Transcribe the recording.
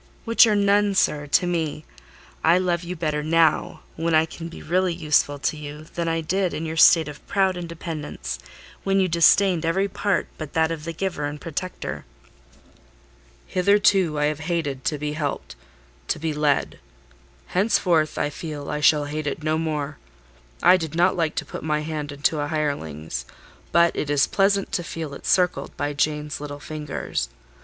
"Which are none, sir, to me. I love you better now, when I can really be useful to you, than I did in your state of proud independence, when you disdained every part but that of the giver and protector." "Hitherto I have hated to be helped—to be led: henceforth, I feel I shall hate it no more. I did not like to put my hand into a hireling's, but it is pleasant to feel it circled by Jane's little fingers.